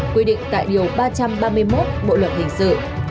quy định tại điều ba trăm ba mươi một bộ luật hình sự